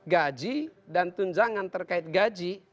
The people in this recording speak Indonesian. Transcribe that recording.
gaji dan tunjangan terkait gaji